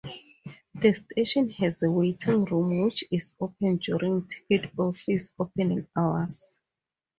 The station has a waiting room which is open during ticket office opening hours.